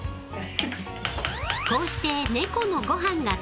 ［こうして］